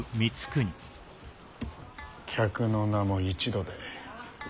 客の名も一度で。